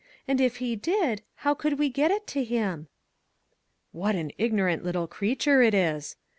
And if he did, how could we get it to him ?"" What an ignorant little creature it is